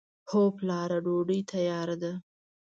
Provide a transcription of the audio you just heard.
هو پلاره! ډوډۍ تیاره ده.